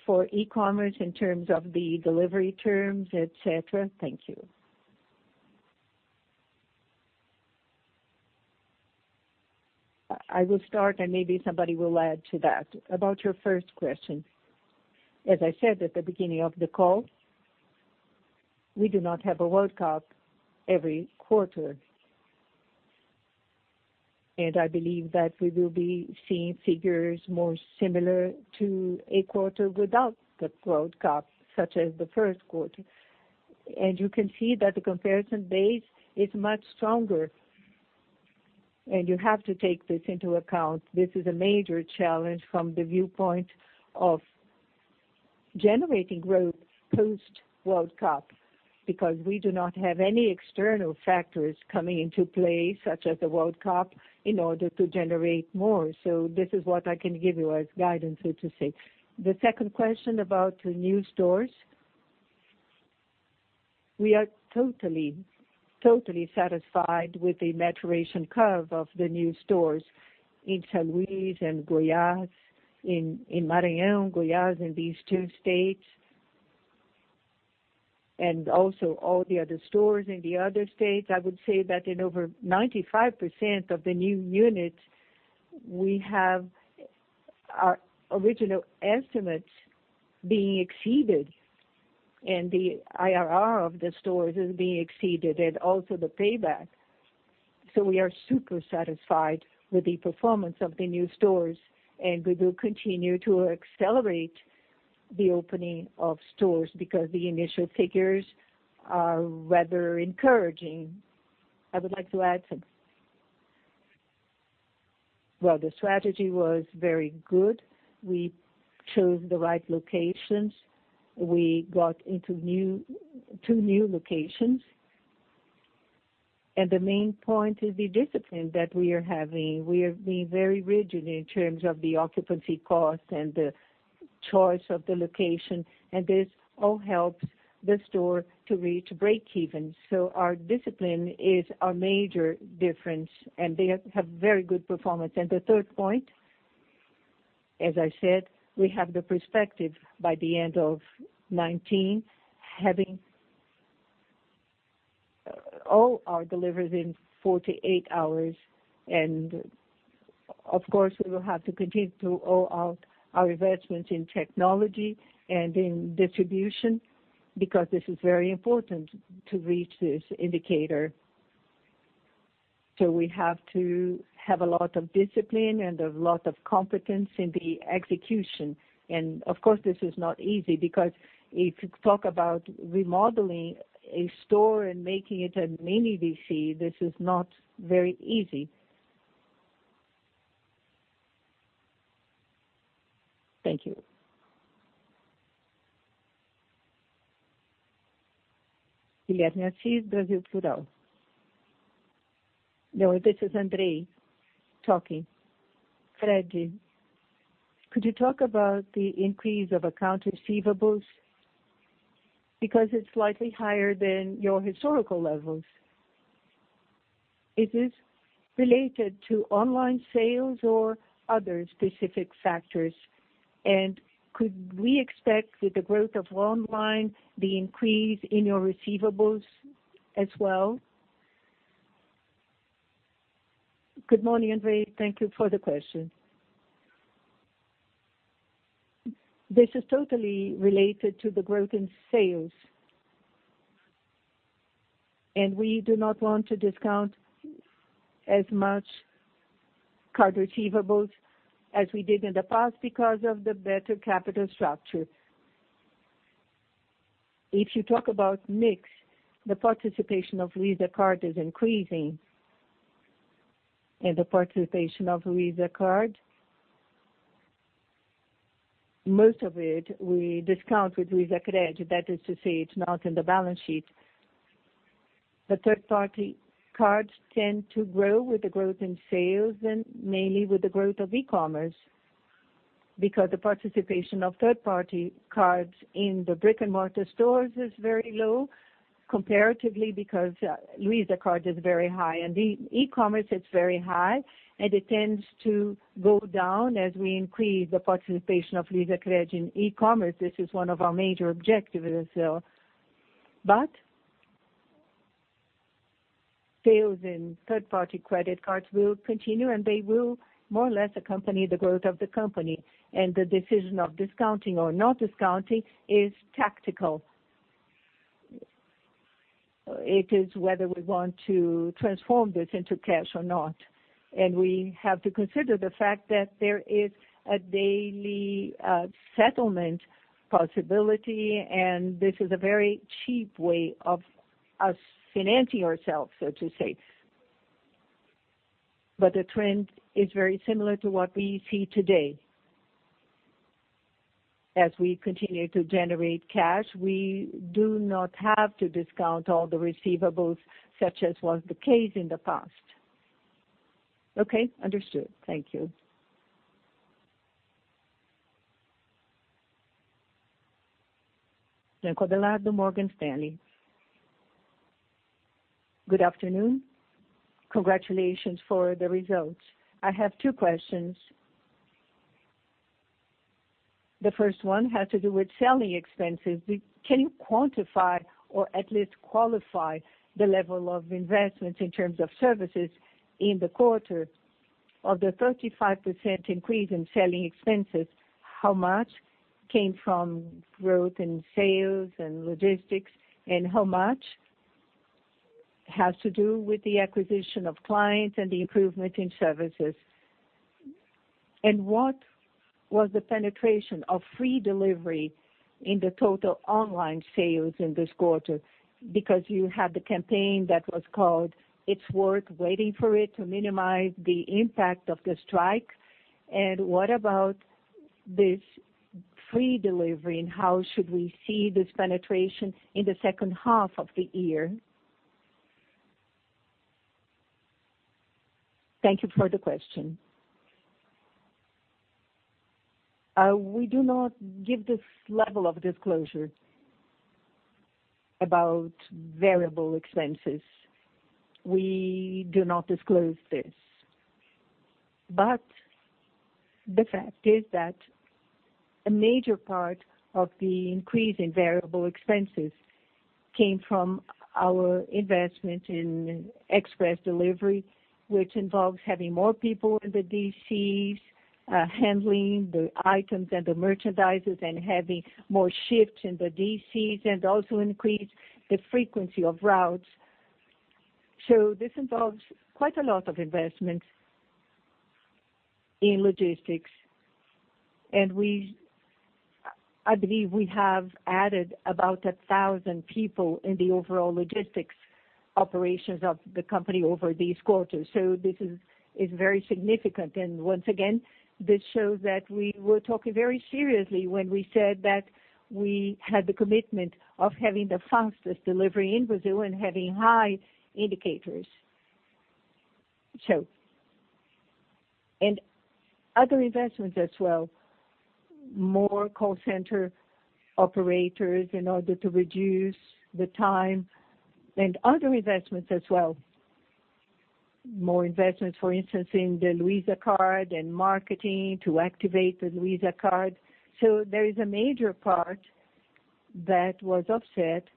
for e-commerce, in terms of the delivery terms, et cetera. Thank you. I will start and maybe somebody will add to that. About your first question, as I said at the beginning of the call, we do not have a World Cup every quarter. I believe that we will be seeing figures more similar to a quarter without the World Cup, such as the first quarter. You can see that the comparison base is much stronger, and you have to take this into account. This is a major challenge from the viewpoint of generating growth post-World Cup, because we do not have any external factors coming into play, such as the World Cup, in order to generate more. This is what I can give you as guidance, so to say. The second question about the new stores. We are totally satisfied with the maturation curve of the new stores in São Luís and Goiás in Maranhão, Goiás and these two states, and also all the other stores in the other states. I would say that in over 95% of the new units, we have our original estimates being exceeded, and the IRR of the stores is being exceeded, and also the payback. We are super satisfied with the performance of the new stores, and we will continue to accelerate the opening of stores because the initial figures are rather encouraging. I would like to add something. The strategy was very good. We chose the right locations. We got into two new locations. The main point is the discipline that we are having. We are being very rigid in terms of the occupancy cost and the choice of the location, and this all helps the store to reach breakeven. Our discipline is a major difference, and they have very good performance. The third point, as I said, we have the perspective by the end of 2019, having all our deliveries in 48 hours. Of course, we will have to continue to roll out our investments in technology and in distribution, because this is very important to reach this indicator. We have to have a lot of discipline and a lot of competence in the execution. Of course, this is not easy because if you talk about remodeling a store and making it a mini DC, this is not very easy. Thank you. This is André talking. Fred, could you talk about the increase of account receivables because it's slightly higher than your historical levels. Is this related to online sales or other specific factors? Could we expect with the growth of online, the increase in your receivables as well? Good morning, André. Thank you for the question. This is totally related to the growth in sales. We do not want to discount as much card receivables as we did in the past because of the better capital structure. If you talk about mix, the participation of Luiza Card is increasing. The participation of Luiza Card, most of it we discount with LuizaCred. That is to say, it's not in the balance sheet. The third-party cards tend to grow with the growth in sales and mainly with the growth of e-commerce, because the participation of third-party cards in the brick-and-mortar stores is very low comparatively because Luiza Card is very high. In e-commerce it's very high, and it tends to go down as we increase the participation of LuizaCred in e-commerce. This is one of our major objectives. Sales in third-party credit cards will continue, and they will more or less accompany the growth of the company. The decision of discounting or not discounting is tactical. It is whether we want to transform this into cash or not. We have to consider the fact that there is a daily settlement possibility, and this is a very cheap way of us financing ourselves, so to say. The trend is very similar to what we see today. As we continue to generate cash, we do not have to discount all the receivables, such as was the case in the past. Okay, understood. Thank you. Morgan Stanley. Good afternoon. Congratulations for the results. I have two questions. The first one has to do with selling expenses. Can you quantify or at least qualify the level of investments in terms of services in the quarter? Of the 35% increase in selling expenses, how much came from growth in sales and logistics, and how much has to do with the acquisition of clients and the improvement in services? What was the penetration of free delivery in the total online sales in this quarter? Because you had the campaign that was called, "It's Worth Waiting for It" to minimize the impact of the strike. What about this free delivery, and how should we see this penetration in the second half of the year? Thank you for the question. We do not give this level of disclosure about variable expenses. We do not disclose this. The fact is that a major part of the increase in variable expenses came from our investment in express delivery, which involves having more people in the DCs, handling the items and the merchandises, and having more shifts in the DCs, and also increase the frequency of routes. This involves quite a lot of investment in logistics. I believe we have added about 1,000 people in the overall logistics operations of the company over these quarters. This is very significant. Once again, this shows that we were talking very seriously when we said that we had the commitment of having the fastest delivery in Brazil and having high indicators. Other investments as well, more call center operators in order to reduce the time, and other investments as well. More investments, for instance, in the Luiza Card and marketing to activate the Luiza Card. There is a major part that was offset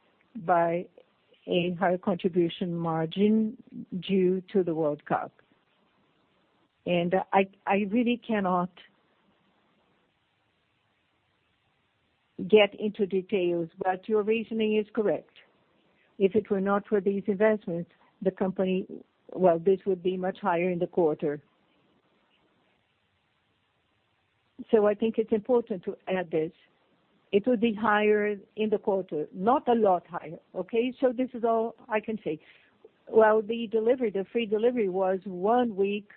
by a higher contribution margin due to the World Cup. I really cannot get into details, but your reasoning is correct. If it were not for these investments, this would be much higher in the quarter. I think it's important to add this. It would be higher in the quarter, not a lot higher, okay? This is all I can say. Well, the free delivery was one week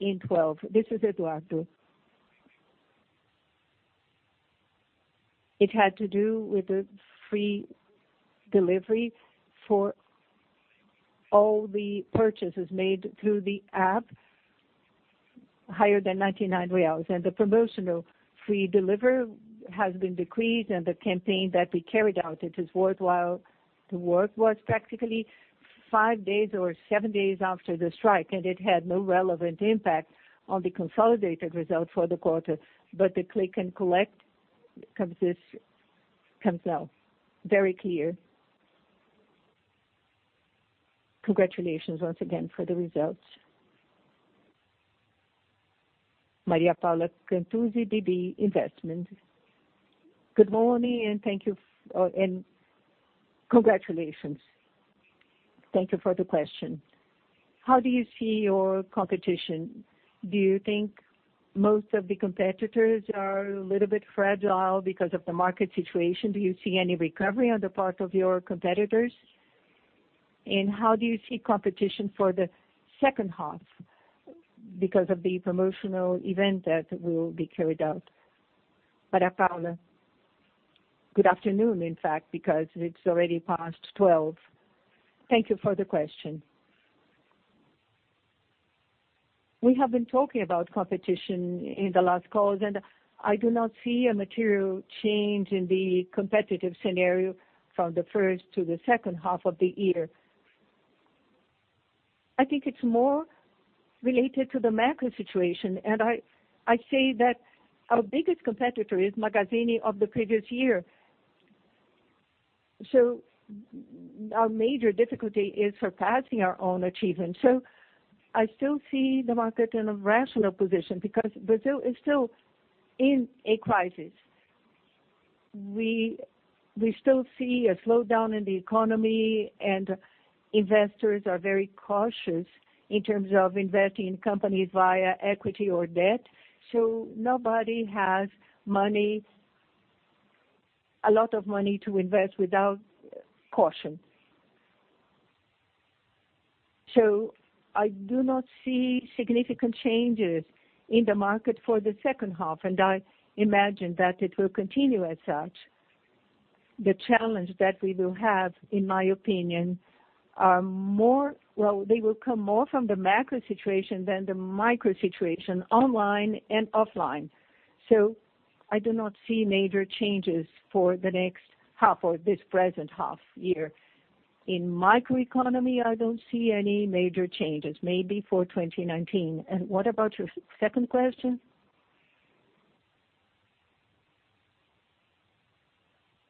in 12. This is Eduardo. It had to do with the free delivery for all the purchases made through the app higher than 99 reais, the promotional free delivery has been decreased, the campaign that we carried out, it is worthwhile. The work was practically five days or seven days after the strike, it had no relevant impact on the consolidated result for the quarter, the click and collect comes out very clear. Congratulations once again for the results. Maria Paula Cantusio, BB Investimentos. Good morning and congratulations. Thank you for the question. How do you see your competition? Do you think most of the competitors are a little bit fragile because of the market situation? Do you see any recovery on the part of your competitors? How do you see competition for the second half because of the promotional event that will be carried out? Maria Paula. Good afternoon, in fact, because it is already past 12:00. Thank you for the question. We have been talking about competition in the last calls. I do not see a material change in the competitive scenario from the first to the second half of the year. I think it is more related to the macro situation. I say that our biggest competitor is Magazine of the previous year. Our major difficulty is surpassing our own achievement. I still see the market in a rational position because Brazil is still in a crisis. We still see a slowdown in the economy. Investors are very cautious in terms of investing in companies via equity or debt. Nobody has a lot of money to invest without caution. I do not see significant changes in the market for the second half. I imagine that it will continue as such. The challenge that we will have, in my opinion, they will come more from the macro situation than the micro situation, online and offline. I do not see major changes for the next half or this present half year. In microeconomy, I don't see any major changes, maybe for 2019. What about your second question?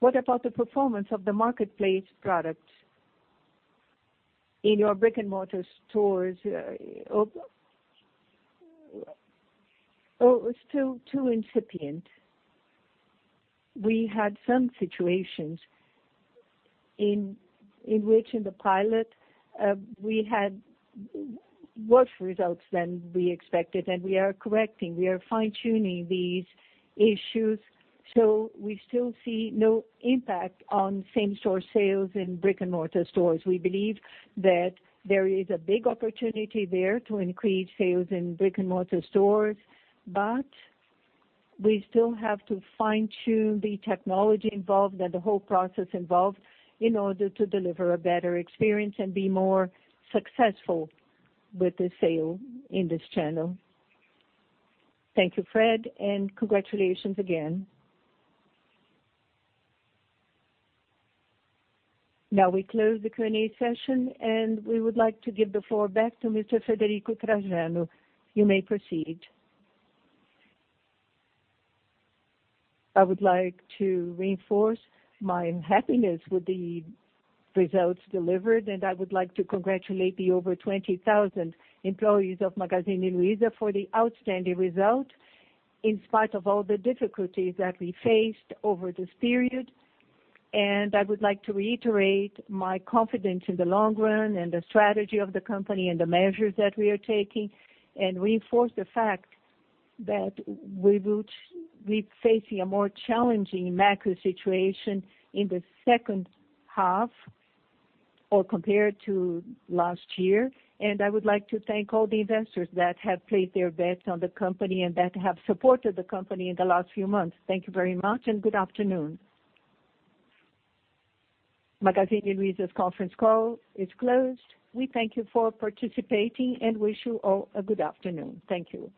What about the performance of the marketplace product in your brick-and-mortar stores? Oh, it's still too incipient. We had some situations in which in the pilot, we had worse results than we expected. We are correcting, we are fine-tuning these issues. We still see no impact on same-store sales in brick-and-mortar stores. We believe that there is a big opportunity there to increase sales in brick-and-mortar stores. We still have to fine-tune the technology involved and the whole process involved in order to deliver a better experience and be more successful with the sale in this channel. Thank you, Frederico. Congratulations again. Now we close the Q&A session. We would like to give the floor back to Mr. Frederico Trajano. You may proceed. I would like to reinforce my happiness with the results delivered. I would like to congratulate the over 20,000 employees of Magazine Luiza for the outstanding result, in spite of all the difficulties that we faced over this period. I would like to reiterate my confidence in the long run, the strategy of the company, the measures that we are taking. Reinforce the fact that we will be facing a more challenging macro situation in the second half or compared to last year. I would like to thank all the investors that have placed their bets on the company, that have supported the company in the last few months. Thank you very much. Good afternoon. Magazine Luiza's conference call is closed. We thank you for participating. Wish you all a good afternoon. Thank you.